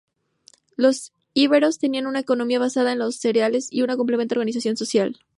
Los íberos tenían una economía basada en los cereales y una completa organización social.